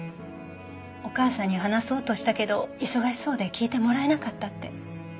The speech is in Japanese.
お母さんに話そうとしたけど忙しそうで聞いてもらえなかったって。